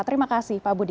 terima kasih pak budi